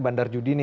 bandar judi nih